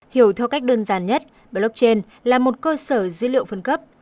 hiểu theo cách đơn giản nhất blockchain là một cơ sở dữ liệu phân cấp